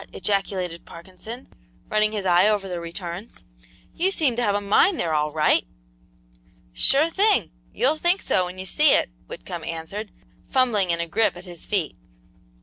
ejaculated Parkinson, running his eye over the returns. "You seem to have a mine there, all right!" "Sure thing! You'll think so when you see it," Whitcomb answered, fumbling in a grip at his feet.